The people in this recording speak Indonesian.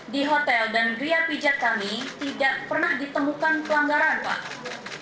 di hotel dan geria pijat kami tidak pernah ditemukan pelanggaran pak